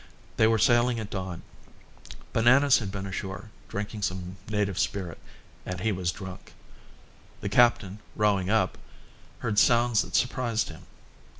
They were sailing at dawn. Bananas had been ashore, drinking some native spirit, and he was drunk. The captain, rowing up, heard sounds that surprised him.